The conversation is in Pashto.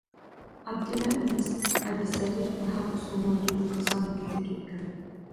عبدالله بن ابی سرح په هغو څو محدودو کسانو کي ذکر کړ.